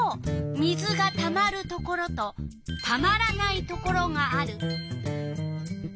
水がたまるところとたまらないところがある。